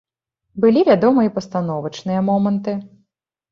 Былі, вядома, і пастановачныя моманты.